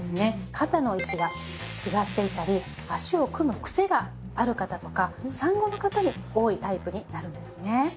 肩の位置が違っていたり脚を組むクセがある方とか産後の方に多いタイプになるんですね。